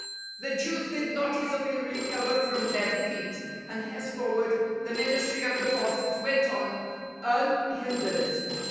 The Jews did not easily recover from their defeat, and henceforward the ministry of the Apostles went on unhindered.